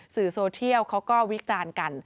โซเทียลเขาก็วิจารณ์กัน